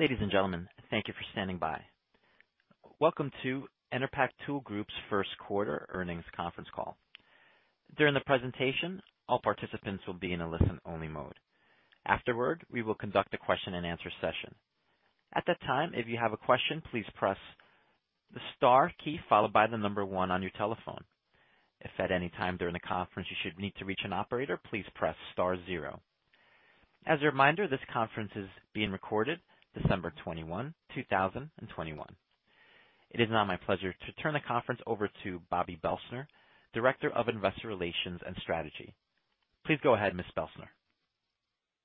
Ladies and gentlemen, thank you for standing by. Welcome to Enerpac Tool Group's first quarter earnings conference call. During the presentation, all participants will be in a listen-only mode. Afterward, we will conduct a question-and-answer session. At that time, if you have a question, please press the star key followed by the number one on your telephone. If at any time during the conference you should need to reach an operator, please press star zero. As a reminder, this conference is being recorded December twenty-one, two thousand and twenty-one. It is now my pleasure to turn the conference over to Bobbi Belstner, Director of Investor Relations and Strategy. Please go ahead, Ms. Belstner.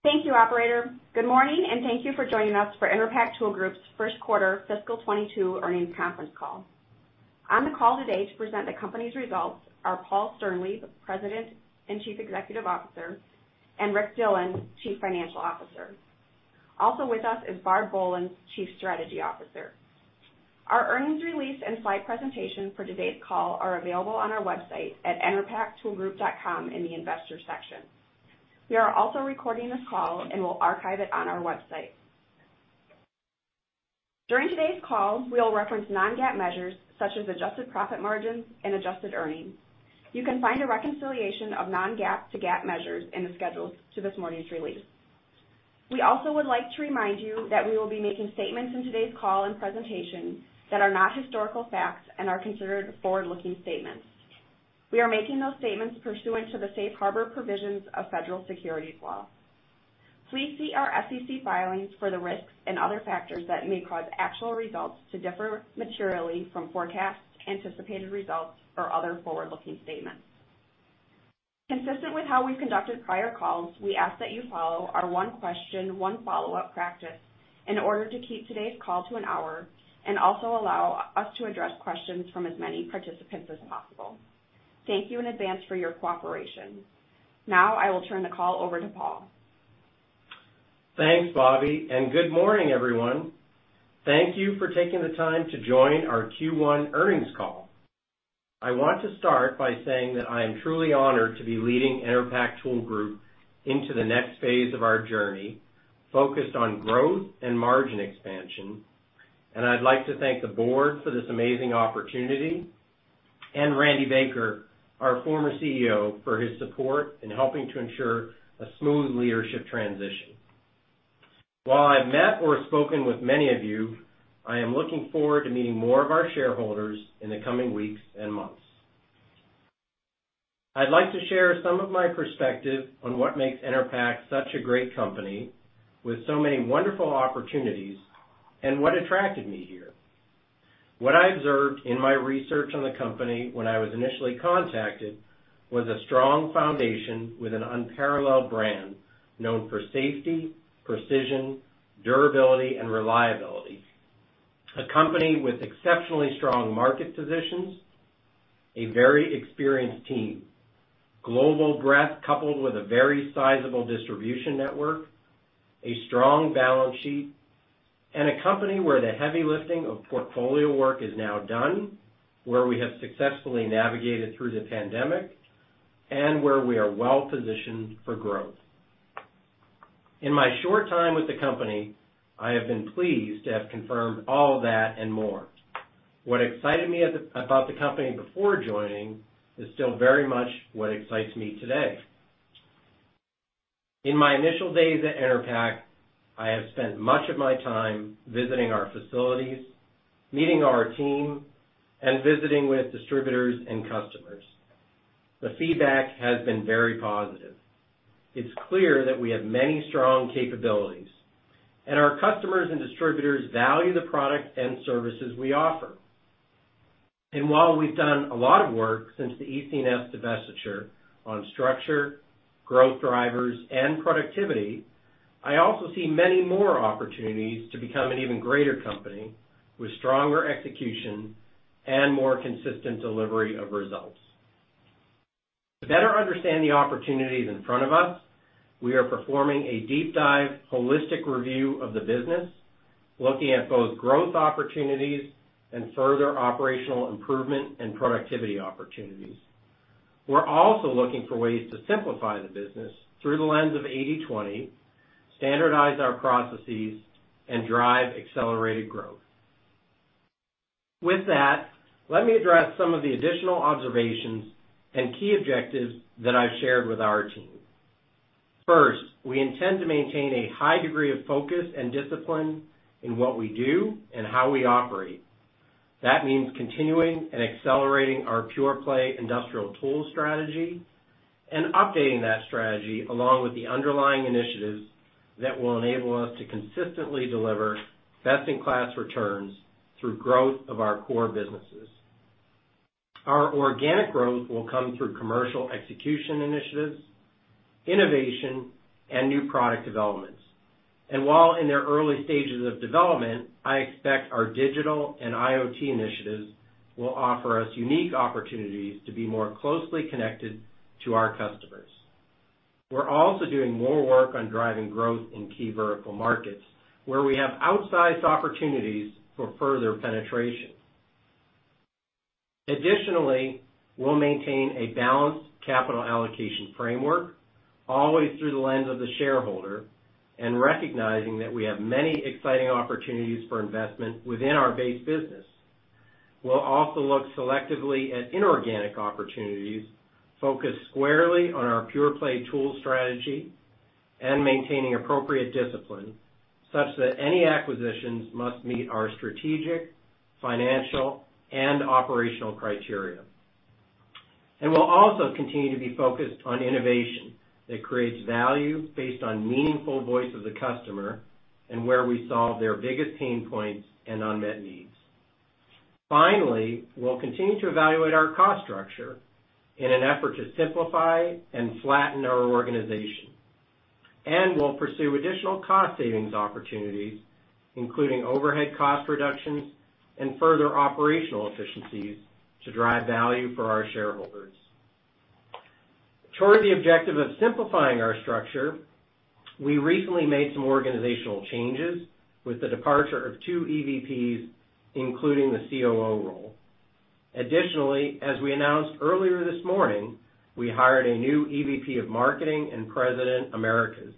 Thank you, operator. Good morning and thank you for joining us for Enerpac Tool Group's First Quarter Fiscal 2022 Earnings Conference Call. On the call today to present the company's results are Paul Sternlieb, President and Chief Executive Officer, and Rick Dillon, Chief Financial Officer. Also with us is Barb Bolens, Chief Strategy Officer. Our earnings release and slide presentation for today's call are available on our website at enerpactoolgroup.com in the Investors section. We are also recording this call and will archive it on our website. During today's call, we will reference non-GAAP measures such as adjusted profit margins and adjusted earnings. You can find a reconciliation of non-GAAP to GAAP measures in the schedules to this morning's release. We also would like to remind you that we will be making statements in today's call and presentation that are not historical facts and are considered forward-looking statements. We are making those statements pursuant to the safe harbor provisions of federal securities law. Please see our SEC filings for the risks and other factors that may cause actual results to differ materially from forecasts, anticipated results, or other forward-looking statements. Consistent with how we've conducted prior calls, we ask that you follow our one question, one follow-up practice in order to keep today's call to an hour and also allow us to address questions from as many participants as possible. Thank you in advance for your cooperation. Now, I will turn the call over to Paul. Thanks, Bobbi and good morning, everyone. Thank you for taking the time to join our Q1 earnings call. I want to start by saying that I am truly honored to be leading Enerpac Tool Group into the next phase of our journey, focused on growth and margin expansion. I'd like to thank the board for this amazing opportunity, and Randy Baker, our former CEO, for his support in helping to ensure a smooth leadership transition. While I've met or spoken with many of you, I am looking forward to meeting more of our shareholders in the coming weeks and months. I'd like to share some of my perspective on what makes Enerpac such a great company with so many wonderful opportunities and what attracted me here. What I observed in my research on the company when I was initially contacted was a strong foundation with an unparalleled brand known for safety, precision, durability, and reliability. A company with exceptionally strong market positions, a very experienced team, global breadth, coupled with a very sizable distribution network, a strong balance sheet, and a company where the heavy lifting of portfolio work is now done, where we have successfully navigated through the pandemic and where we are well positioned for growth. In my short time with the company, I have been pleased to have confirmed all that and more. What excited me about the company before joining is still very much what excites me today. In my initial days at Enerpac, I have spent much of my time visiting our facilities, meeting our team, and visiting with distributors and customers. The feedback has been very positive. It's clear that we have many strong capabilities, and our customers and distributors value the products and services we offer. While we've done a lot of work since the EC&S divestiture on structure, growth drivers, and productivity, I also see many more opportunities to become an even greater company with stronger execution and more consistent delivery of results. To better understand the opportunities in front of us, we are performing a deep dive, holistic review of the business, looking at both growth opportunities and further operational improvement and productivity opportunities. We're also looking for ways to simplify the business through the lens of 80/20, standardize our processes, and drive accelerated growth. With that, let me address some of the additional observations and key objectives that I've shared with our team. First, we intend to maintain a high degree of focus and discipline in what we do and how we operate. That means continuing and accelerating our pure play industrial tool strategy and updating that strategy along with the underlying initiatives that will enable us to consistently deliver best-in-class returns through growth of our core businesses. Our organic growth will come through commercial execution initiatives, innovation, and new product developments. While in their early stages of development, I expect our digital and IoT initiatives will offer us unique opportunities to be more closely connected to our customers. We're also doing more work on driving growth in key vertical markets where we have outsized opportunities for further penetration. Additionally, we'll maintain a balanced capital allocation framework always through the lens of the shareholder and recognizing that we have many exciting opportunities for investment within our base business. We'll also look selectively at inorganic opportunities, focused squarely on our pure-play tool strategy and maintaining appropriate discipline such that any acquisitions must meet our strategic, financial, and operational criteria. We'll also continue to be focused on innovation that creates value based on meaningful voice of the customer and where we solve their biggest pain points and unmet needs. Finally, we'll continue to evaluate our cost structure in an effort to simplify and flatten our organization. We'll pursue additional cost savings opportunities, including overhead cost reductions and further operational efficiencies to drive value for our shareholders. Toward the objective of simplifying our structure, we recently made some organizational changes with the departure of two EVPs, including the COO role. Additionally, as we announced earlier this morning, we hired a new EVP of Marketing and President, Americas,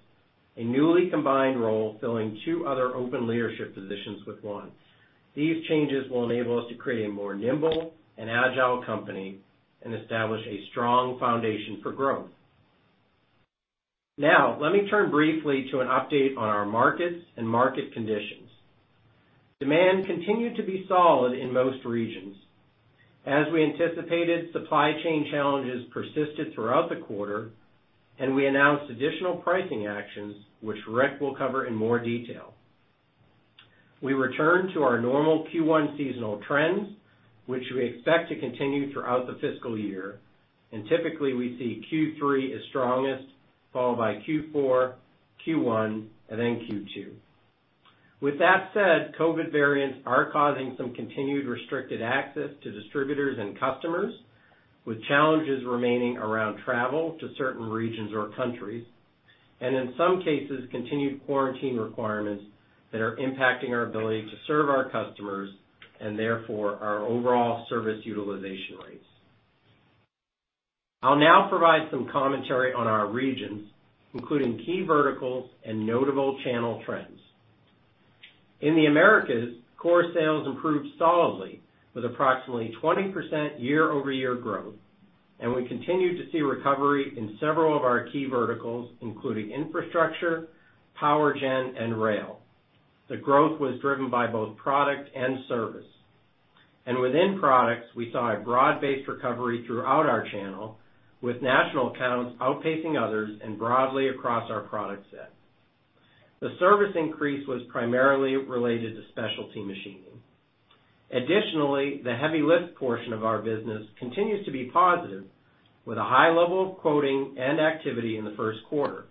a newly combined role filling two other open leadership positions with one. These changes will enable us to create a more nimble and agile company and establish a strong foundation for growth. Now, let me turn briefly to an update on our markets and market conditions. Demand continued to be solid in most regions. As we anticipated, supply chain challenges persisted throughout the quarter, and we announced additional pricing actions, which Rick will cover in more detail. We returned to our normal Q1 seasonal trends, which we expect to continue throughout the fiscal year. Typically, we see Q3 is strongest, followed by Q4, Q1, and then Q2. With that said, COVID variants are causing some continued restricted access to distributors and customers, with challenges remaining around travel to certain regions or countries, and in some cases, continued quarantine requirements that are impacting our ability to serve our customers and therefore our overall service utilization rates. I'll now provide some commentary on our regions, including key verticals and notable channel trends. In the Americas, core sales improved solidly with approximately 20% year-over-year growth and we continued to see recovery in several of our key verticals, including infrastructure, power gen, and rail. The growth was driven by both product and service. Within products, we saw a broad-based recovery throughout our channel, with national accounts outpacing others and broadly across our product set. The service increase was primarily related to specialty machining. Additionally, the heavy lift portion of our business continues to be positive, with a high level of quoting and activity in the first quarter.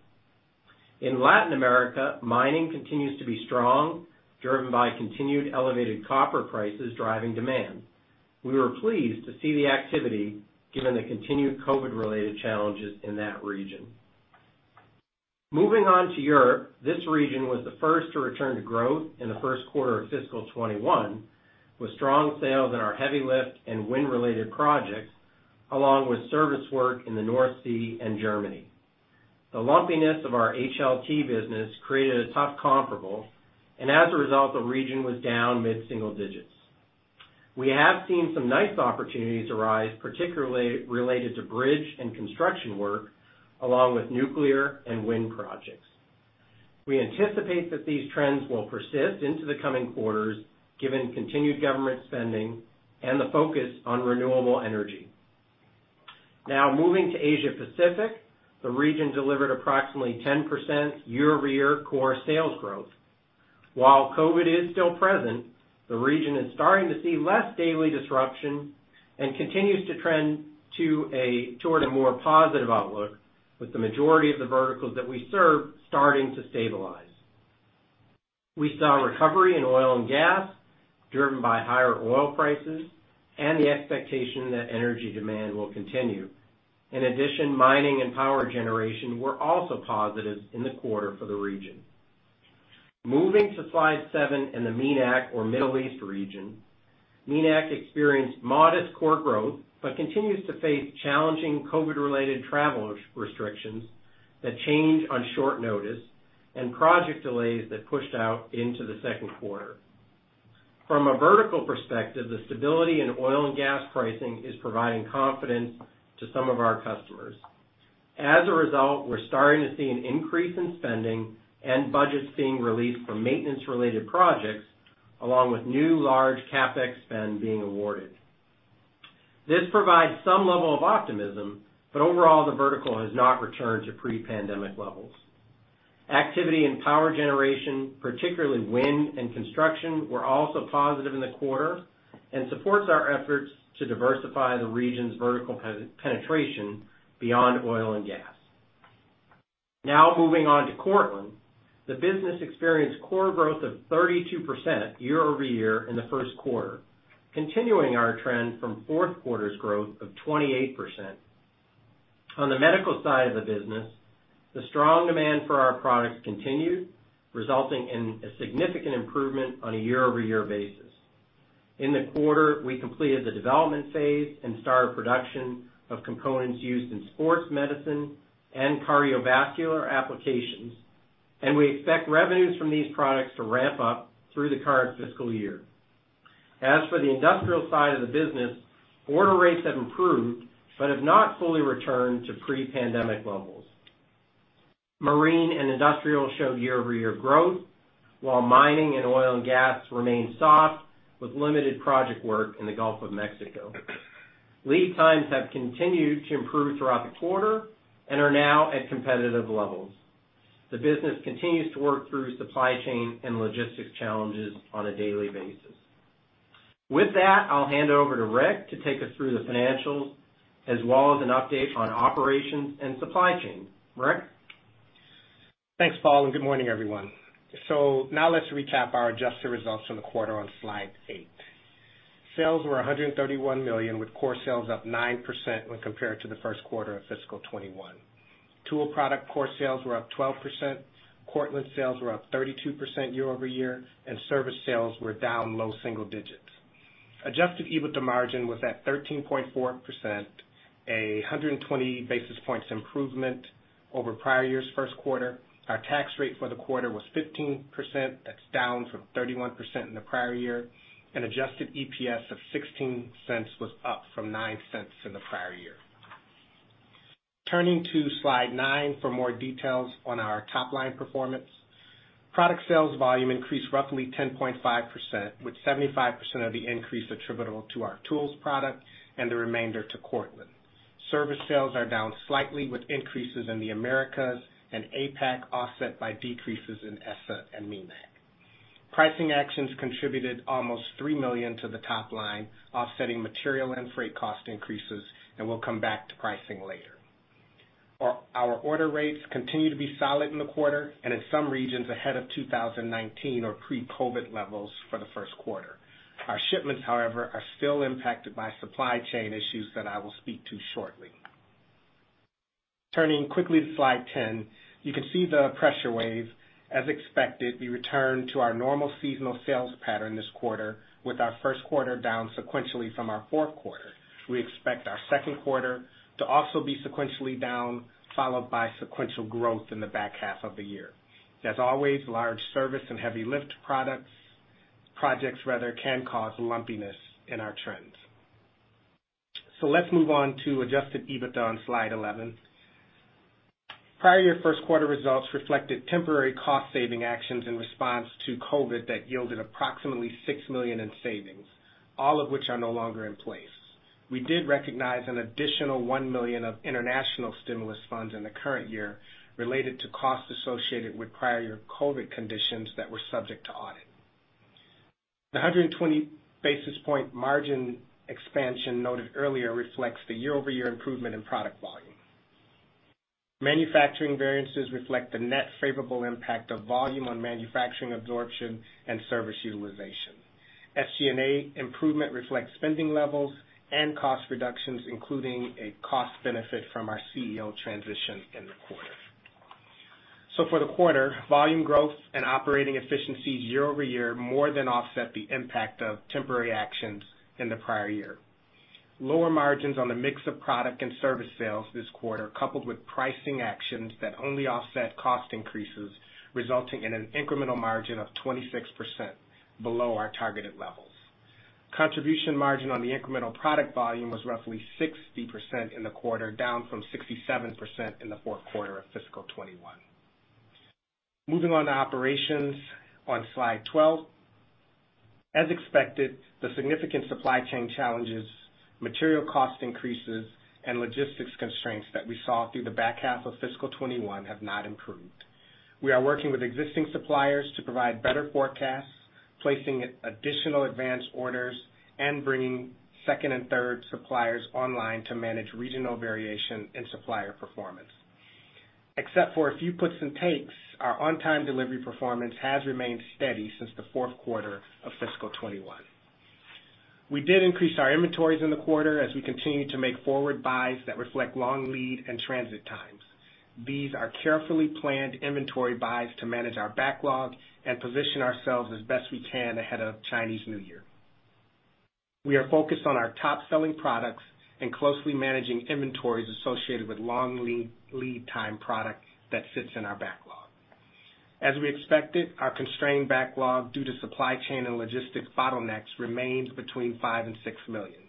In Latin America, mining continues to be strong, driven by continued elevated copper prices driving demand. We were pleased to see the activity given the continued COVID-related challenges in that region. Moving on to Europe, this region was the first to return to growth in the first quarter of fiscal 2021, with strong sales in our heavy lift and wind-related projects, along with service work in the North Sea and Germany. The lumpiness of our HLT business created a tough comparable, and as a result, the region was down mid-single digits. We have seen some nice opportunities arise, particularly related to bridge and construction work, along with nuclear and wind projects. We anticipate that these trends will persist into the coming quarters given continued government spending and the focus on renewable energy. Now, moving to Asia Pacific, the region delivered approximately 10% year-over-year core sales growth. While COVID is still present, the region is starting to see less daily disruption and continues to trend toward a more positive outlook with the majority of the verticals that we serve starting to stabilize. We saw recovery in oil and gas driven by higher oil prices and the expectation that energy demand will continue. In addition, mining and power generation were also positive in the quarter for the region. Moving to slide seven in the MENA or Middle East region. MENA experienced modest core growth, but continues to face challenging COVID-related travel restrictions that change on short notice and project delays that pushed out into the second quarter. From a vertical perspective, the stability in oil and gas pricing is providing confidence to some of our customers. As a result, we're starting to see an increase in spending and budgets being released for maintenance-related projects, along with new large CapEx spend being awarded. This provides some level of optimism, but overall, the vertical has not returned to pre-pandemic levels. Activity in power generation, particularly wind and construction, were also positive in the quarter and supports our efforts to diversify the region's vertical penetration beyond oil and gas. Now, moving on to Cortland. The business experienced core growth of 32% year-over-year in the first quarter, continuing our trend from fourth quarter's growth of 28%. On the medical side of the business, the strong demand for our products continued, resulting in a significant improvement on a year-over-year basis. In the quarter, we completed the development phase and started production of components used in sports medicine and cardiovascular applications and we expect revenues from these products to ramp up through the current fiscal year. As for the industrial side of the business, order rates have improved but have not fully returned to pre-pandemic levels. Marine and industrial showed year-over-year growth while mining and oil and gas remained soft with limited project work in the Gulf of Mexico. Lead times have continued to improve throughout the quarter and are now at competitive levels. The business continues to work through supply chain and logistics challenges on a daily basis. With that, I'll hand it over to Rick to take us through the financials as well as an update on operations and supply chain. Rick? Thanks, Paul and good morning, everyone. Now let's recap our adjusted results from the quarter on slide eight. Sales were $131 million with core sales up 9% when compared to the first quarter of fiscal 2021. Tool product core sales were up 12%, Cortland sales were up 32% year-over-year, and service sales were down low single digits. Adjusted EBITDA margin was at 13.4%, 120 basis points improvement over prior year's first quarter. Our tax rate for the quarter was 15%, that's down from 31% in the prior year. Adjusted EPS of $0.16 was up from $0.09 in the prior year. Turning to slide nine for more details on our top-line performance. Product sales volume increased roughly 10.5% with 75% of the increase attributable to our tools product and the remainder to Cortland. Service sales are down slightly, with increases in the Americas and APAC offset by decreases in ESSA and MENA. Pricing actions contributed almost $3 million to the top line, offsetting material and freight cost increases and we'll come back to pricing later. Our order rates continue to be solid in the quarter and in some regions ahead of 2019 or pre-COVID levels for the first quarter. Our shipments, however, are still impacted by supply chain issues that I will speak to shortly. Turning quickly to slide 10, you can see the pressure wave. As expected, we return to our normal seasonal sales pattern this quarter with our first quarter down sequentially from our fourth quarter. We expect our second quarter to also be sequentially down, followed by sequential growth in the back half of the year. As always, large service and heavy lift products, projects rather, can cause lumpiness in our trends. Let's move on to adjusted EBITDA on slide 11. Prior year first quarter results reflected temporary cost saving actions in response to COVID that yielded approximately $6 million in savings, all of which are no longer in place. We did recognize an additional $1 million of international stimulus funds in the current year related to costs associated with prior COVID conditions that were subject to audit. The 120 basis point margin expansion noted earlier reflects the year-over-year improvement in product volume. Manufacturing variances reflect the net favorable impact of volume on manufacturing absorption and service utilization. SG&A improvement reflects spending levels and cost reductions, including a cost benefit from our CEO transition in the quarter. For the quarter, volume growth and operating efficiencies year over year more than offset the impact of temporary actions in the prior year. Lower margins on the mix of product and service sales this quarter, coupled with pricing actions that only offset cost increases, resulting in an incremental margin of 26% below our targeted levels. Contribution margin on the incremental product volume was roughly 60% in the quarter, down from 67% in the fourth quarter of fiscal 2021. Moving on to operations on slide 12. As expected, the significant supply chain challenges, material cost increases, and logistics constraints that we saw through the back half of fiscal 2021 have not improved. We are working with existing suppliers to provide better forecasts, placing additional advanced orders, and bringing second and third suppliers online to manage regional variation in supplier performance. Except for a few puts and takes, our on-time delivery performance has remained steady since the fourth quarter of fiscal 2021. We did increase our inventories in the quarter as we continue to make forward buys that reflect long lead and transit times. These are carefully planned inventory buys to manage our backlog and position ourselves as best we can ahead of Chinese New Year. We are focused on our top-selling products and closely managing inventories associated with long lead time product that sits in our backlog. As we expected, our constrained backlog due to supply chain and logistics bottlenecks remains between $5 million and $6 million.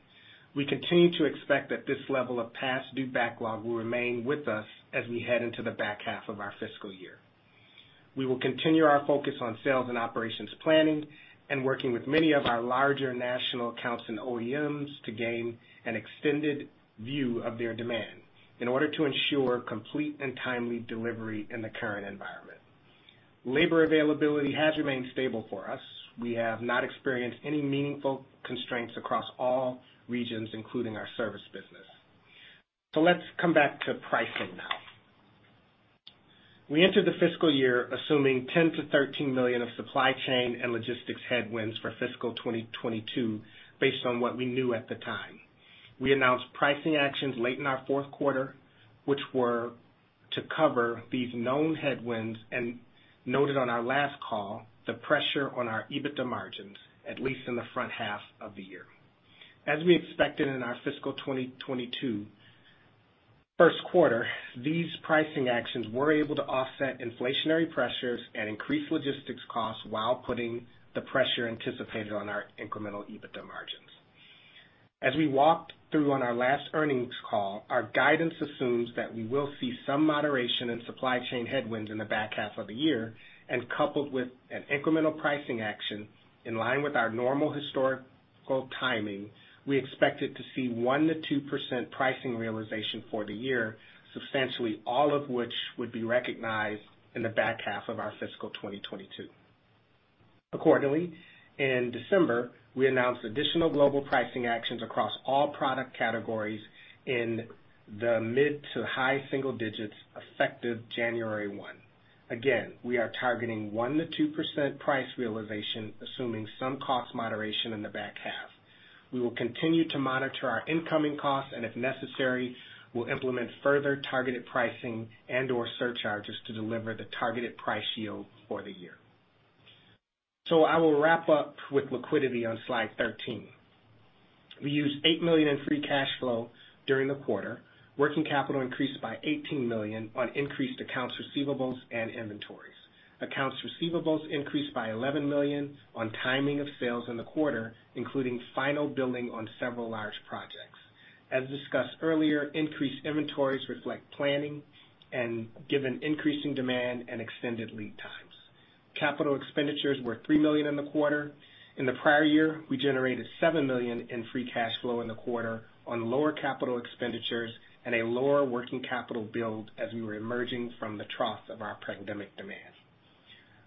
We continue to expect that this level of past due backlog will remain with us as we head into the back half of our fiscal year. We will continue our focus on sales and operations planning and working with many of our larger national accounts and OEMs to gain an extended view of their demand in order to ensure complete and timely delivery in the current environment. Labor availability has remained stable for us. We have not experienced any meaningful constraints across all regions, including our service business. Let's come back to pricing now. We entered the fiscal year assuming $10 million-$13 million of supply chain and logistics headwinds for fiscal 2022 based on what we knew at the time. We announced pricing actions late in our fourth quarter, which were to cover these known headwinds and noted on our last call the pressure on our EBITDA margins, at least in the front half of the year. As we expected in our fiscal 2022 first quarter, these pricing actions were able to offset inflationary pressures and increase logistics costs while putting the pressure anticipated on our incremental EBITDA margins. As we walked through on our last earnings call, our guidance assumes that we will see some moderation in supply chain headwinds in the back half of the year. Coupled with an incremental pricing action in line with our normal historical timing, we expected to see 1%-2% pricing realization for the year, substantially all of which would be recognized in the back half of our fiscal 2022. Accordingly, in December, we announced additional global pricing actions across all product categories in the mid- to high-single digits effective January 1. Again, we are targeting 1%-2% price realization, assuming some cost moderation in the back half. We will continue to monitor our incoming costs, and if necessary, we'll implement further targeted pricing and/or surcharges to deliver the targeted price yield for the year. I will wrap up with liquidity on slide 13. We used $8 million in free cash flow during the quarter. Working capital increased by $18 million on increased accounts receivables and inventories. Accounts receivables increased by $11 million on timing of sales in the quarter, including final billing on several large projects. As discussed earlier, increased inventories reflect planning and given increasing demand and extended lead times. Capital expenditures were $3 million in the quarter. In the prior year, we generated $7 million in free cash flow in the quarter on lower capital expenditures and a lower working capital build as we were emerging from the trough of our pandemic demand.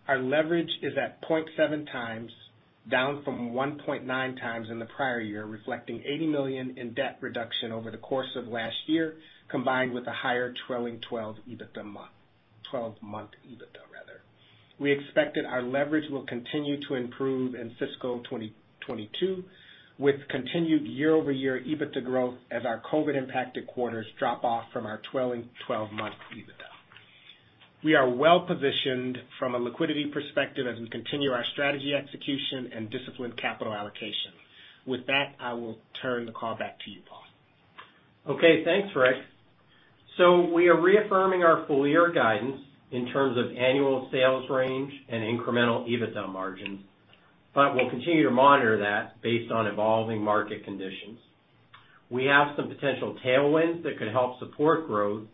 Our leverage is at 0.7x, down from 1.9x in the prior year, reflecting $80 million in debt reduction over the course of last year, combined with a higher trailing in December--12-month EBITDA, rather. We expected our leverage will continue to improve in fiscal 2022, with continued year-over-year EBITDA growth as our COVID-impacted quarters drop off from our trailing 12-month EBITDA. We are well-positioned from a liquidity perspective as we continue our strategy execution and disciplined capital allocation. With that, I will turn the call back to you, Paul. Okay, thanks, Rick. We are reaffirming our full year guidance in terms of annual sales range and incremental EBITDA margins, but we'll continue to monitor that based on evolving market conditions. We have some potential tailwinds that could help support growth,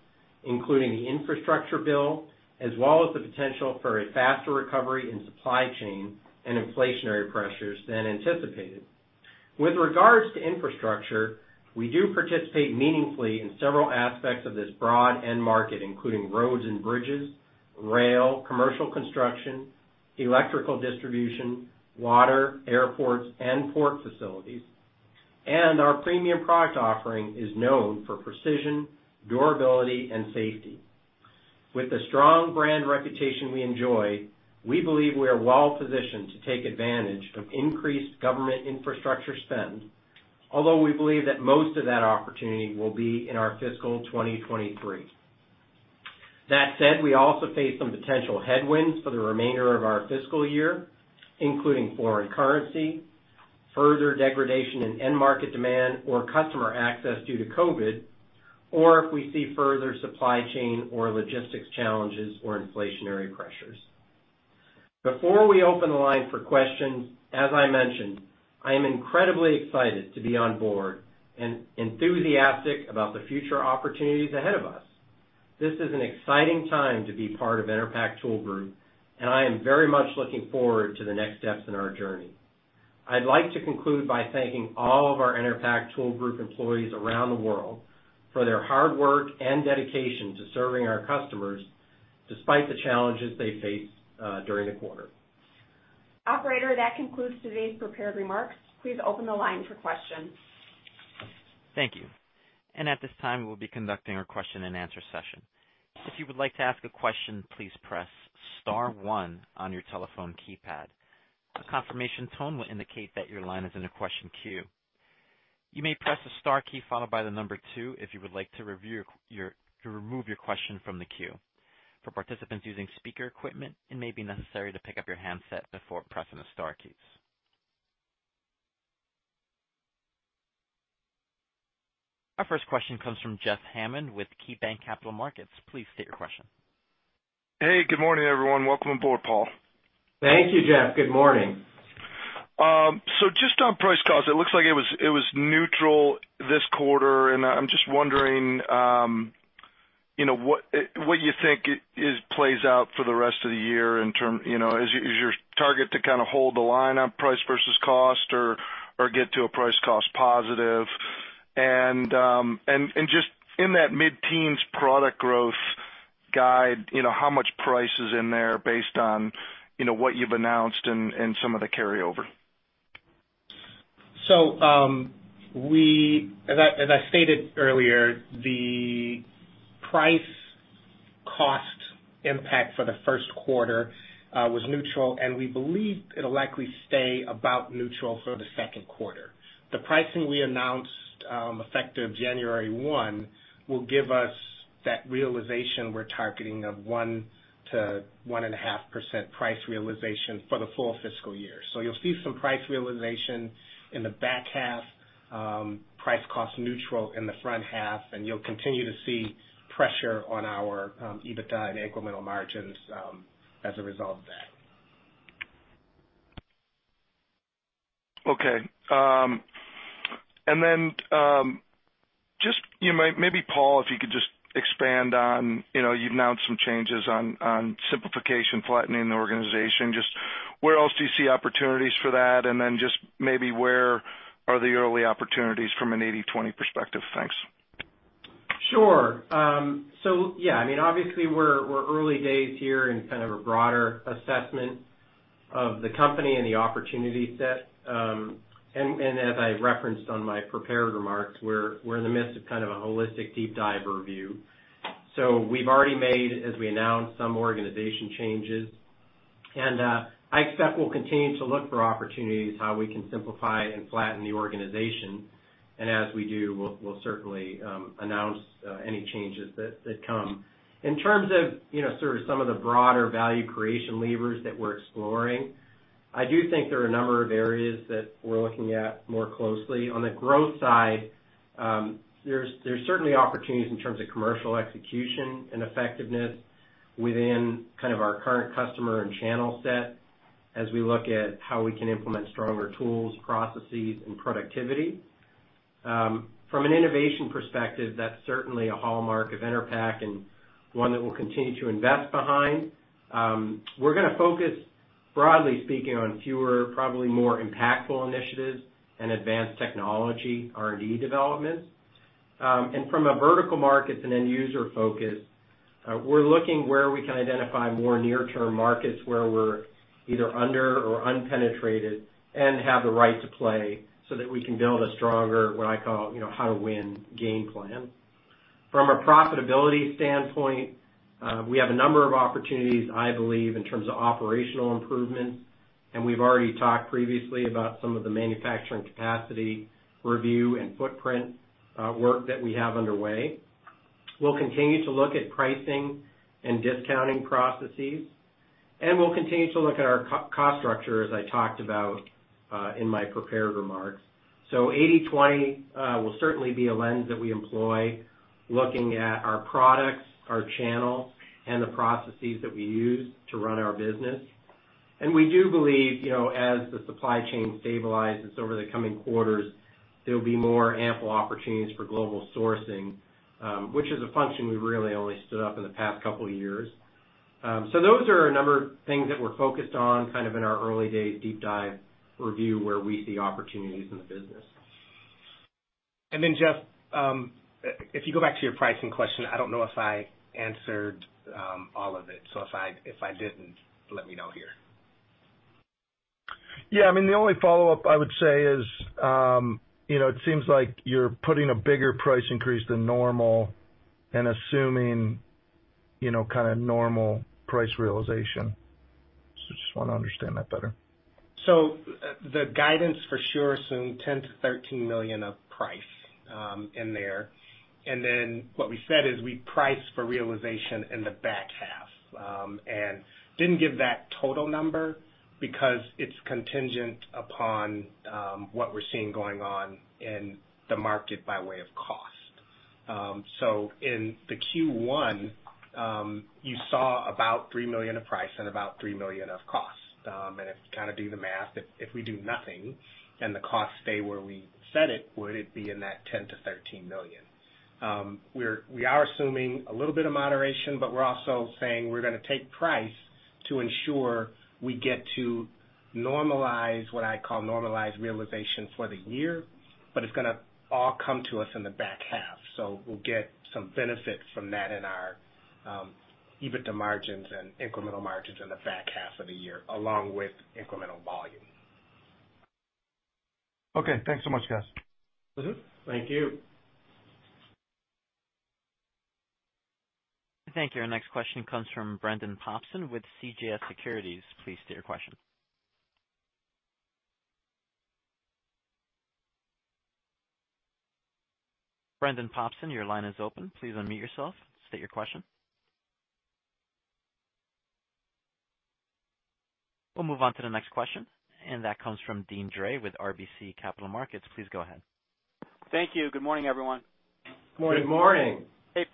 including the infrastructure bill, as well as the potential for a faster recovery in supply chain and inflationary pressures than anticipated. With regards to infrastructure, we do participate meaningfully in several aspects of this broad end market, including roads and bridges, rail, commercial construction, electrical distribution, water, airports, and port facilities. Our premium product offering is known for precision, durability, and safety. With the strong brand reputation we enjoy, we believe we are well-positioned to take advantage of increased government infrastructure spend, although we believe that most of that opportunity will be in our fiscal 2023. That said, we also face some potential headwinds for the remainder of our fiscal year, including foreign currency, further degradation in end market demand or customer access due to COVID, or if we see further supply chain or logistics challenges or inflationary pressures. Before we open the line for questions, as I mentioned, I am incredibly excited to be on board and enthusiastic about the future opportunities ahead of us. This is an exciting time to be part of Enerpac Tool Group, and I am very much looking forward to the next steps in our journey. I'd like to conclude by thanking all of our Enerpac Tool Group employees around the world for their hard work and dedication to serving our customers despite the challenges they face during the quarter. Operator, that concludes today's prepared remarks. Please open the line for questions. Thank you. At this time, we'll be conducting our question-and-answer session. If you would like to ask a question, please press star one on your telephone keypad. A confirmation tone will indicate that your line is in a question queue. You may press the star key followed by the number two if you would like to remove your question from the queue. For participants using speaker equipment, it may be necessary to pick up your handset before pressing the star keys. Our first question comes from Jeff Hammond with KeyBanc Capital Markets. Please state your question. Hey, good morning, everyone. Welcome aboard, Paul. Thank you, Jeff. Good morning. So just on price cost, it looks like it was neutral this quarter. I'm just wondering, you know, what you think it plays out for the rest of the year in terms, you know, is your target to kind of hold the line on price versus cost or get to a price cost positive? Just in that mid-teens product growth guide, you know, how much price is in there based on, you know, what you've announced and some of the carryover? As I stated earlier, the price cost impact for the first quarter was neutral and we believe it'll likely stay about neutral for the second quarter. The pricing we announced effective January 1 will give us that realization we're targeting of 1%-1.5% price realization for the full fiscal year. You'll see some price realization in the back half, price cost neutral in the front half, and you'll continue to see pressure on our EBITDA and incremental margins as a result of that. Okay, and then, just, you know, maybe, Paul, if you could just expand on, you know, you've announced some changes on simplification, flattening the organization. Just where else do you see opportunities for that? Then just maybe where are the early opportunities from an 80/20 perspective? Thanks. Sure. Yeah, I mean, obviously we're early days here in kind of a broader assessment of the company and the opportunity set. As I referenced on my prepared remarks, we're in the midst of kind of a holistic, deep dive review. We've already made, as we announced, some organization changes. I expect we'll continue to look for opportunities how we can simplify and flatten the organization. As we do, we'll certainly announce any changes that come. In terms of, you know, sort of some of the broader value creation levers that we're exploring, I do think there are a number of areas that we're looking at more closely. On the growth side, there's certainly opportunities in terms of commercial execution and effectiveness within kind of our current customer and channel set as we look at how we can implement stronger tools, processes, and productivity. From an innovation perspective, that's certainly a hallmark of Enerpac and one that we'll continue to invest behind. We're gonna focus, broadly speaking, on fewer, probably more impactful initiatives and advanced technology R&D developments. From a vertical markets and end user focus, we're looking where we can identify more near-term markets where we're either under or unpenetrated and have the right to play so that we can build a stronger, what I call, you know, how to win game plan. From a profitability standpoint, we have a number of opportunities, I believe, in terms of operational improvements, and we've already talked previously about some of the manufacturing capacity review and footprint, work that we have underway. We'll continue to look at pricing and discounting processes, and we'll continue to look at our cost structure, as I talked about, in my prepared remarks. A 80/20 will certainly be a lens that we employ looking at our products, our channels, and the processes that we use to run our business. We do believe, you know, as the supply chain stabilizes over the coming quarters, there'll be more ample opportunities for global sourcing, which is a function we've really only stood up in the past couple years. Those are a number of things that we're focused on kind of in our early days deep dive review where we see opportunities in the business. Jeff, if you go back to your pricing question, I don't know if I answered all of it. So if I didn't, let me know here. Yeah. I mean, the only follow-up I would say is, you know, it seems like you're putting a bigger price increase than normal and assuming, you know, kind of normal price realization. Just wanna understand that better. The guidance for sure assumed $10 million-$13 million of price in there. What we said is we priced for realization in the back half and didn't give that total number because it's contingent upon what we're seeing going on in the market by way of cost. In the Q1, you saw about $3 million of price and about $3 million of cost. If you kind of do the math, if we do nothing and the costs stay where we said it, would it be in that $10 million-$13 million. We are assuming a little bit of moderation, but we're also saying we're gonna take price to ensure we get to normalize, what I call normalize realization for the year, but it's gonna all come to us in the back half. We'll get some benefits from that in our EBITDA margins and incremental margins in the back half of the year, along with incremental volume. Okay, thanks so much, guys. Mm-hmm. Thank you. Thank you. Our next question comes from Brendan Popson with CJS Securities. Please state your question. Brendan Popson, your line is open. Please unmute yourself, state your question. We'll move on to the next question and that comes from Deane Dray with RBC Capital Markets. Please go ahead. Thank you. Good morning, everyone. Good morning. Good morning. Hey,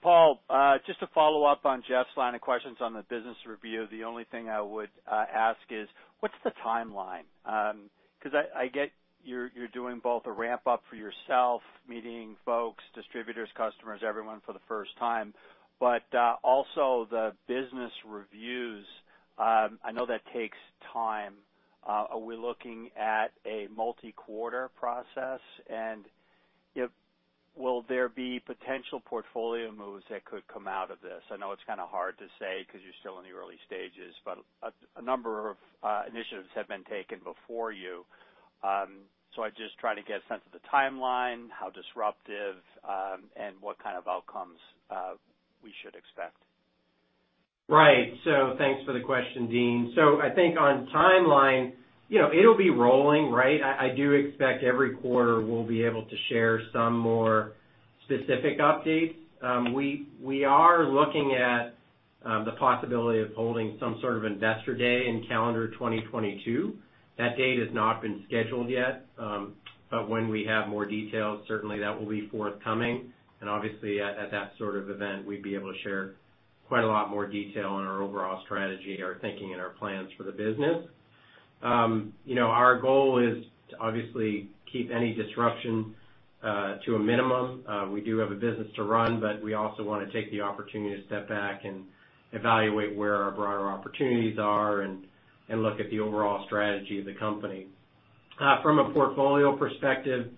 Paul, just to follow up on Jeff's line of questions on the business review. The only thing I would ask is, what's the timeline? Because I get you're doing both a ramp-up for yourself, meeting folks, distributors, customers, everyone for the first time. Also the business reviews, I know that takes time. Are we looking at a multi-quarter process? You know, will there be potential portfolio moves that could come out of this? I know it's kind of hard to say because you're still in the early stages, but a number of initiatives have been taken before you. I just try to get a sense of the timeline, how disruptive, and what kind of outcomes we should expect? Right. Thanks for the question, Deane. I think on timeline, you know, it'll be rolling, right? I do expect every quarter we'll be able to share some more specific updates. We are looking at the possibility of holding some sort of investor day in calendar 2022. That date has not been scheduled yet, but when we have more details, certainly that will be forthcoming. Obviously, at that sort of event, we'd be able to share quite a lot more detail on our overall strategy, our thinking and our plans for the business. You know, our goal is to obviously keep any disruption to a minimum. We do have a business to run, but we also wanna take the opportunity to step back and evaluate where our broader opportunities are and look at the overall strategy of the company. From a portfolio perspective,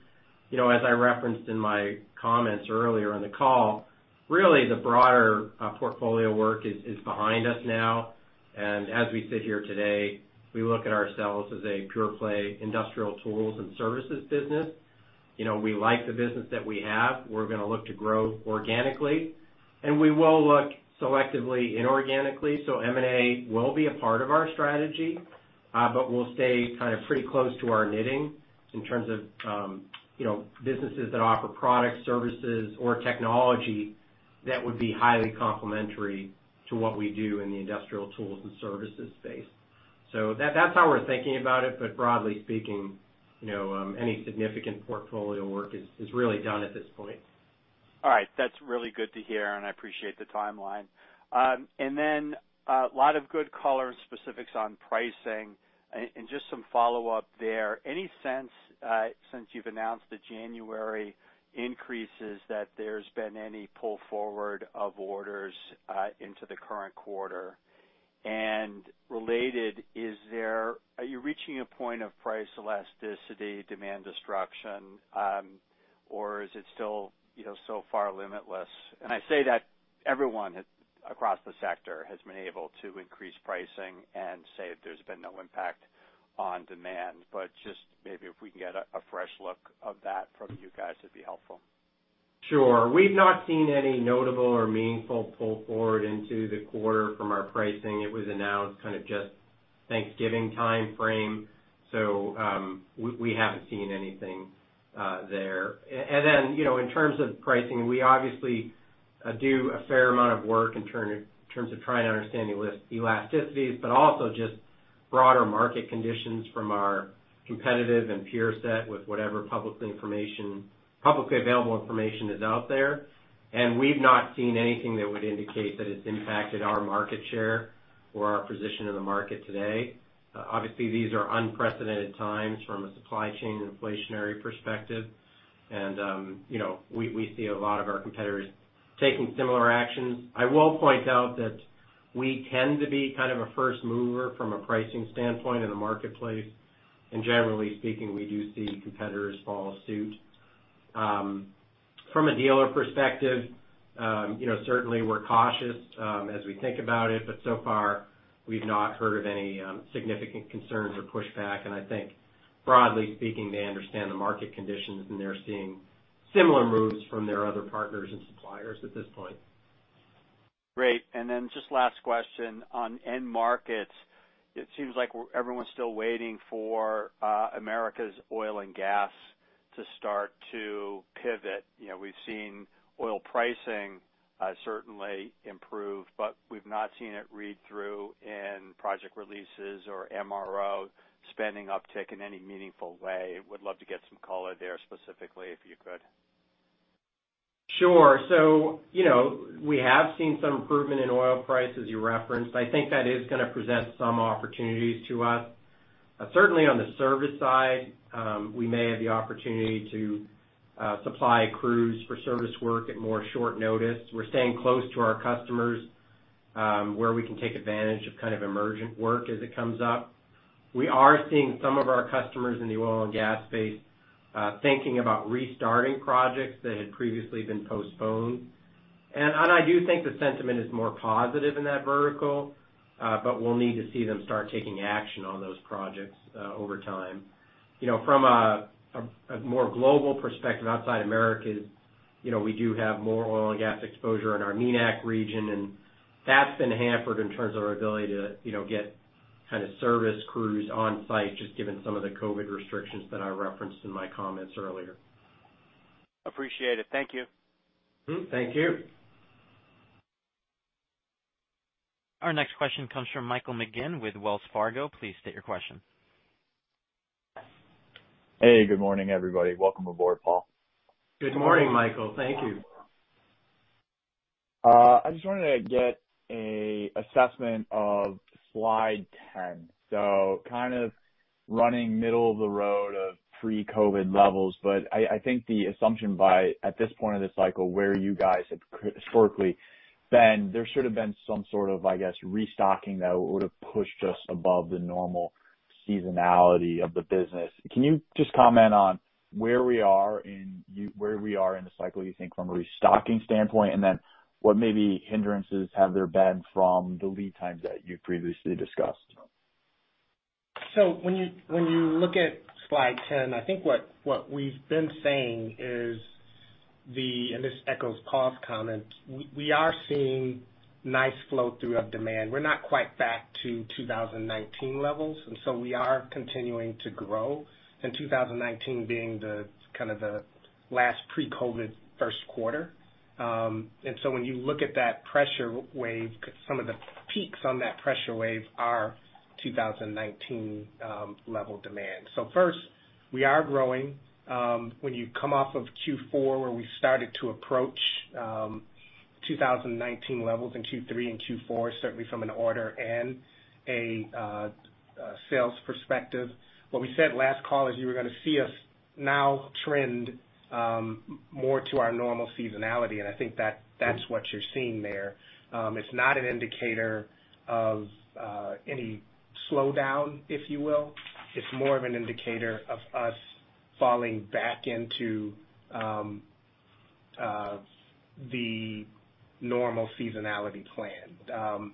you know, as I referenced in my comments earlier in the call, really the broader portfolio work is behind us now. As we sit here today, we look at ourselves as a pure play industrial tools and services business. You know, we like the business that we have. We're gonna look to grow organically, and we will look selectively inorganically, so M&A will be a part of our strategy, but we'll stay kind of pretty close to our knitting in terms of, you know, businesses that offer products, services, or technology that would be highly complementary to what we do in the industrial tools and services space. That's how we're thinking about it, but broadly speaking, you know, any significant portfolio work is really done at this point. All right. That's really good to hear and I appreciate the timeline. A lot of good color and specifics on pricing and just some follow-up there. Any sense since you've announced the January increases that there's been any pull forward of orders into the current quarter? Related, are you reaching a point of price elasticity, demand destruction, or is it still, you know, so far limitless? I say that across the sector has been able to increase pricing and say that there's been no impact on demand. Just maybe if we can get a fresh look at that from you guys, it'd be helpful. Sure. We've not seen any notable or meaningful pull forward into the quarter from our pricing. It was announced kind of just thanksgiving timeframe, so we haven't seen anything there. Then, you know, in terms of pricing, we obviously do a fair amount of work in terms of trying to understand the elasticities, but also just broader market conditions from our competitive and peer set with whatever publicly available information is out there. We've not seen anything that would indicate that it's impacted our market share or our position in the market today. Obviously, these are unprecedented times from a supply chain and inflationary perspective. You know, we see a lot of our competitors taking similar actions. I will point out that we tend to be kind of a first mover from a pricing standpoint in the marketplace. Generally speaking, we do see competitors follow suit. From a dealer perspective, you know, certainly we're cautious, as we think about it, but so far we've not heard of any significant concerns or pushback. I think broadly speaking, they understand the market conditions and they're seeing similar moves from their other partners and suppliers at this point. Great. Just last question. On end markets, it seems like everyone's still waiting for America's oil and gas to start to pivot. You know, we've seen oil pricing certainly improve, but we've not seen it read through in project releases or MRO spending uptick in any meaningful way. Would love to get some color there specifically if you could? Sure. You know, we have seen some improvement in oil price, as you referenced. I think that is gonna present some opportunities to us. Certainly on the service side, we may have the opportunity to supply crews for service work at more short notice. We're staying close to our customers, where we can take advantage of kind of emergent work as it comes up. We are seeing some of our customers in the oil and gas space, thinking about restarting projects that had previously been postponed. I do think the sentiment is more positive in that vertical, but we'll need to see them start taking action on those projects over time. You know, from a more global perspective outside Americas, you know, we do have more oil and gas exposure in our MENA region and that's been hampered in terms of our ability to, you know, get kind of service crews on site, just given some of the COVID restrictions that I referenced in my comments earlier. Appreciate it. Thank you. Thank you. Our next question comes from Michael McGinn with Wells Fargo. Please state your question. Hey, good morning, everybody. Welcome aboard, Paul. Good morning, Michael. Thank you. I just wanted to get an assessment of slide 10. So kind of running middle of the road of pre-COVID levels, but I think the assumption by, at this point of this cycle, where you guys have historically been, there should have been some sort of, I guess, restocking that would've pushed us above the normal seasonality of the business. Can you just comment on where we are in the cycle, you think from a restocking standpoint? What maybe hindrances have there been from the lead times that you previously discussed? When you look at slide 10, I think what we've been saying is. This echoes Paul's comment, we are seeing nice flow through of demand. We're not quite back to 2019 levels, and so we are continuing to grow, 2019 being the kind of the last pre-COVID first quarter. When you look at that pressure wave, some of the peaks on that pressure wave are 2019 level demand. First, we are growing. When you come off of Q4, where we started to approach 2019 levels in Q3 and Q4, certainly from an order and sales perspective. What we said last call is you were gonna see us now trend more to our normal seasonality, and I think that's what you're seeing there. It's not an indicator of any slowdown, if you will. It's more of an indicator of us falling back into the normal seasonality plan.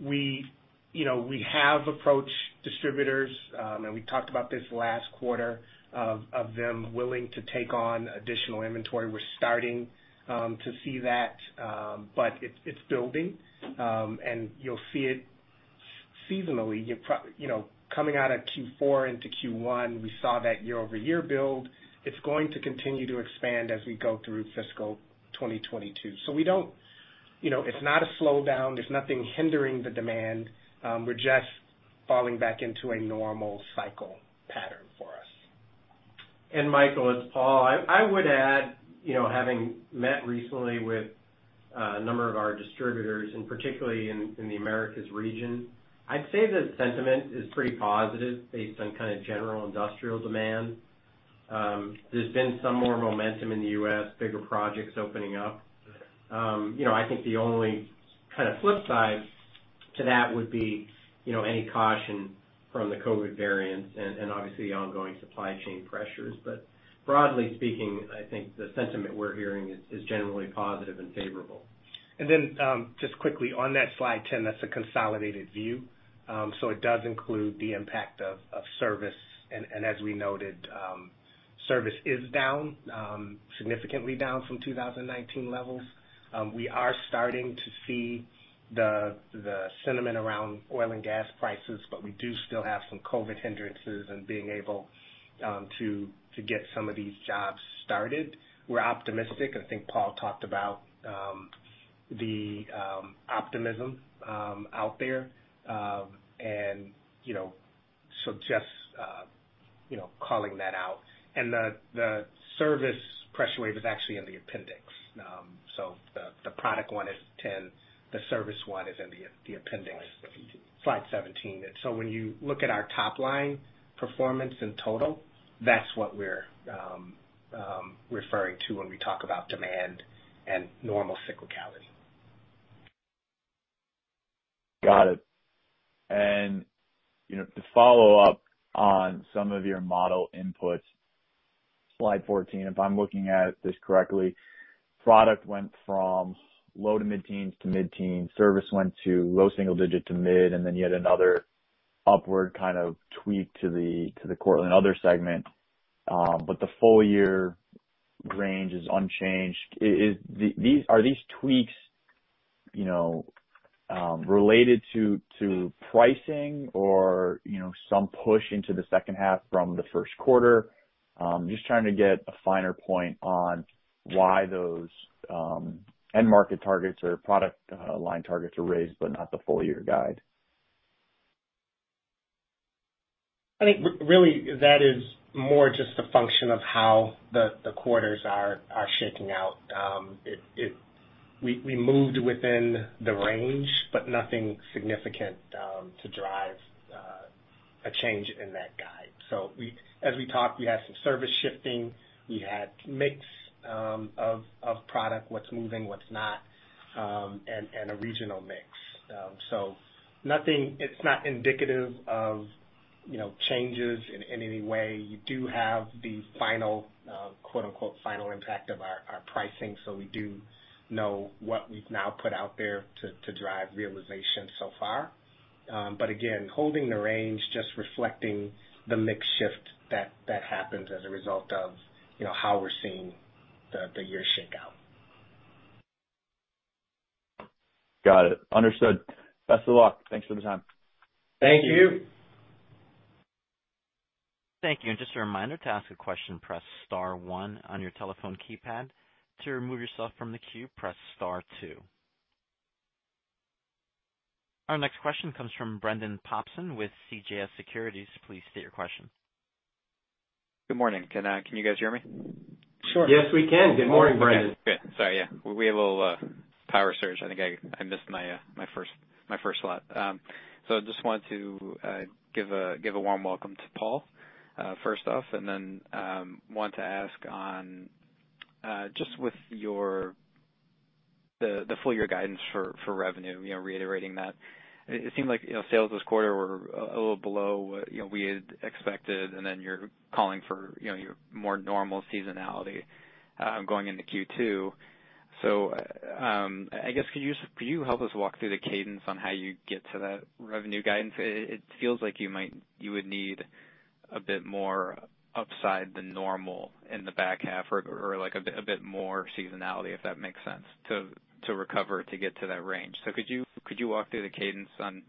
You know, we have approached distributors and we talked about this last quarter, of them willing to take on additional inventory. We're starting to see that, but it's building. You'll see it seasonally. You know, coming out of Q4 into Q1, we saw that year-over-year build. It's going to continue to expand as we go through fiscal 2022. We don't, you know, it's not a slowdown. There's nothing hindering the demand. We're just falling back into a normal cycle pattern for us. Michael, it's Paul. I would add, you know, having met recently with a number of our distributors and particularly in the Americas region, I'd say the sentiment is pretty positive based on kind of general industrial demand. There's been some more momentum in the U.S., bigger projects opening up. You know, I think the only kind of flip side to that would be, you know, any caution from the COVID variants and obviously ongoing supply chain pressures. Broadly speaking, I think the sentiment we're hearing is generally positive and favorable. Then, just quickly on that slide 10, that's a consolidated view. So it does include the impact of service. As we noted, service is down significantly from 2019 levels. We are starting to see the sentiment around oil and gas prices, but we do still have some COVID hindrances and being able to get some of these jobs started. We're optimistic. I think Paul talked about the optimism out there, and you know, so just calling that out. The service pressure wave is actually in the appendix. So the product one is 10, the service one is in the appendix Slide 17. When you look at our top line performance in total, that's what we're referring to when we talk about demand and normal cyclicality. Got it. You know, to follow up on some of your model inputs, slide 14, if I'm looking at this correctly, product went from low to mid-teens to mid-teens. Service went to low single digit to mid and then yet another upward kind of tweak to the Cortland other segment but the full year range is unchanged. Are these tweaks, you know, related to pricing or, you know, some push into the second half from the first quarter? Just trying to get a finer point on why those end market targets or product line targets are raised, but not the full year guide? I think really that is more just a function of how the quarters are shaking out. We moved within the range, but nothing significant to drive a change in that guide. As we talked, we had some service shifting. We had mix of product, what's moving, what's not, and a regional mix. It's not indicative of, you know, changes in any way. You do have the final, quote-unquote, final impact of our pricing. So we do know what we've now put out there to drive realization so far. Again, holding the range, just reflecting the mix shift that happens as a result of, you know, how we're seeing the year shake out. Got it. Understood. Best of luck. Thanks for the time. Thank you. Thank you. Thank you. Just a reminder, to ask a question, press star one on your telephone keypad. To remove yourself from the queue, press star two. Our next question comes from Brendan Popson with CJS Securities. Please state your question. Good morning. Can you guys hear me? Sure. Yes, we can. Good morning, Brendan. Great. Sorry, yeah, we had a little power surge. I think I missed my first lot. I just wanted to give a warm welcome to Paul first off. Then I want to ask on just with your full year guidance for revenue, you know, reiterating that. It seemed like, you know, sales this quarter were a little below, you know, we had expected, and then you're calling for, you know, your more normal seasonality going into Q2. I guess, could you help us walk through the cadence on how you get to that revenue guidance? It feels like you would need a bit more upside than normal in the back half or like a bit more seasonality, if that makes sense, to recover to get to that range. Could you walk through the cadence on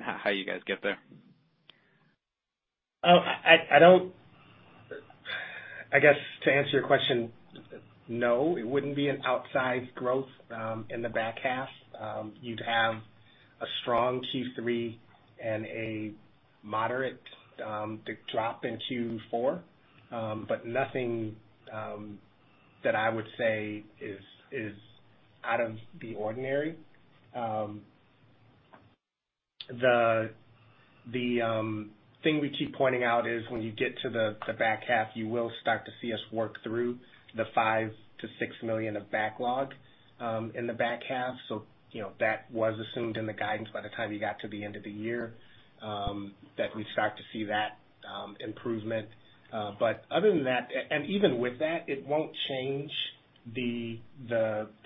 how you guys get there? I guess to answer your question, no, it wouldn't be an outsized growth in the back half. You'd have a strong Q3 and a moderate drop in Q4. Nothing that I would say is out of the ordinary. The thing we keep pointing out is when you get to the back half, you will start to see us work through the $5 million-$6 million of backlog in the back half. You know, that was assumed in the guidance by the time you got to the end of the year, that we start to see that improvement. Other than that, and even with that, it won't change the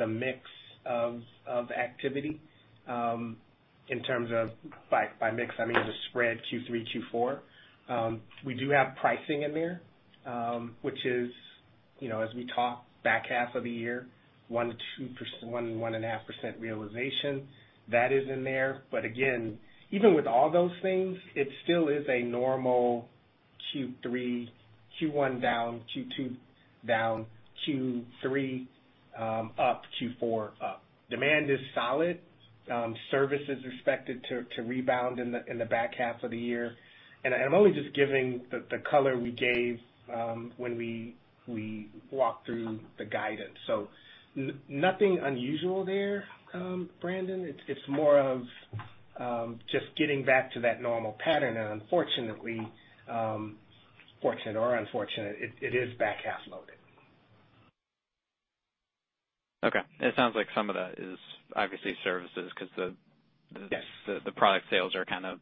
mix of activity in terms of. By mix, I mean, the spread Q3, Q4. We do have pricing in there, which is, you know, as we talk back half of the year, 1%-1.5% realization, that is in there. Again, even with all those things, it still is a normal Q3, Q1 down, Q2 down, Q3 up, Q4 up. Demand is solid. Service is expected to rebound in the back half of the year. I'm only just giving the color we gave when we walked through the guidance. Nothing unusual there, Brendan. It's more of just getting back to that normal pattern. Unfortunately, fortunate or unfortunate, it is back half loaded. Okay. It sounds like some of that is obviously services because-- Yes. the product sales are kind of.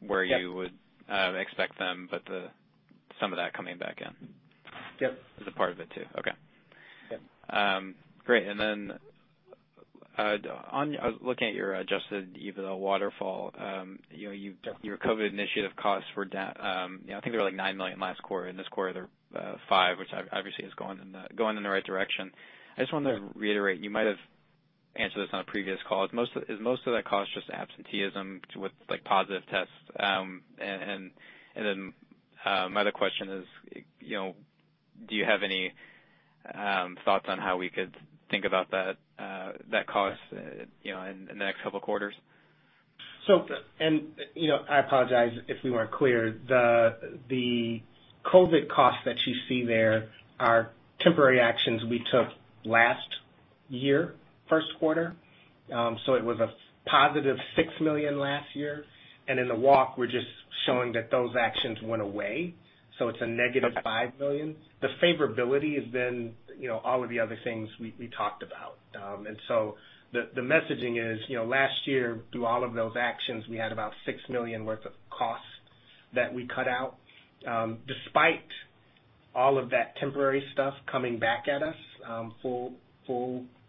Yes. Where you would expect them, but some of that coming back in. Yep. Is a part of it too. Okay. Yep. Great. Looking at your adjusted EBITDA waterfall, you know, your COVID initiative costs were down. You know, I think they were like $9 million last quarter. In this quarter, they're $5 million, which obviously is going in the right direction. I just wanted to reiterate, you might have answered this on a previous call. Is most of that cost just absenteeism with like positive tests? My other question is, you know, do you have any thoughts on how we could think about that cost, you know, in the next couple of quarters? You know, I apologize if we weren't clear. The COVID costs that you see there are temporary actions we took last year, first quarter. It was a positive $6 million last year. In the walk, we're just showing that those actions went away. It's a negative $5 million. The favorability has been, you know, all of the other things we talked about. The messaging is, you know, last year, through all of those actions, we had about $6 million worth of costs that we cut out. Despite all of that temporary stuff coming back at us, full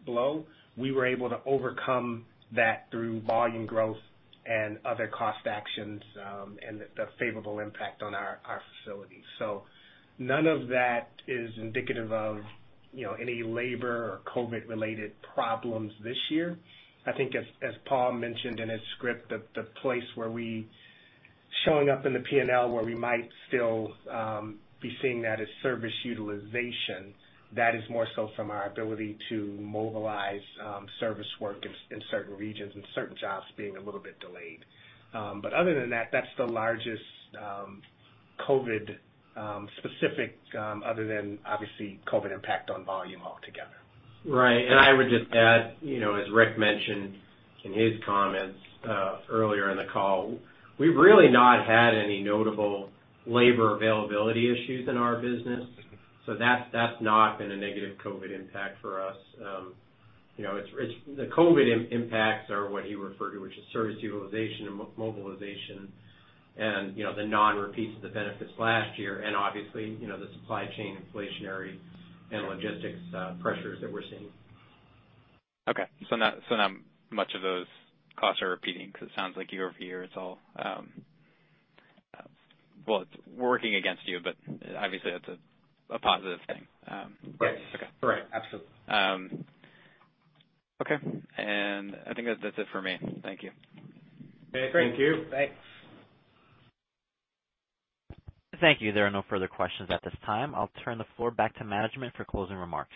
blow, we were able to overcome that through volume growth and other cost actions, and the favorable impact on our facilities. None of that is indicative of, you know, any labor or COVID-related problems this year. I think Paul mentioned in his script, the place showing up in the P&L where we might still be seeing that is service utilization. That is more so from our ability to mobilize service work in certain regions and certain jobs being a little bit delayed. Other than that's the largest COVID specific other than obviously COVID impact on volume altogether. Right. I would just add, you know, as Rick mentioned in his comments earlier in the call, we've really not had any notable labor availability issues in our business. That's not been a negative COVID impact for us. You know, it's the COVID impacts that he referred to, which is service utilization and mobilization and, you know, the non-repeats of the benefits last year and obviously, you know, the supply chain inflationary and logistics pressures that we're seeing. Okay. Not much of those costs are repeating 'cause it sounds like year-over-year it's all. Well, it's working against you, but obviously that's a positive thing. Yes. Okay. Correct. Absolutely. Okay. I think that's it for me. Thank you. Okay, great. Thank you. Thanks. Thank you. There are no further questions at this time. I'll turn the floor back to management for closing remarks.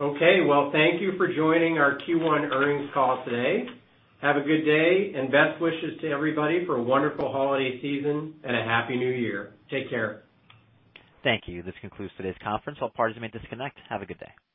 Okay. Well, thank you for joining our Q1 earnings call today. Have a good day and best wishes to everybody for a wonderful holiday season and a happy new year. Take care. Thank you. This concludes today's conference. All parties may disconnect. Have a good day.